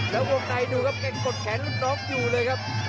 แล้ววงในดูครับยังกดแขนรุ่นน้องอยู่เลยครับ